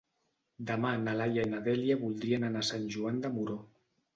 Demà na Laia i na Dèlia voldrien anar a Sant Joan de Moró.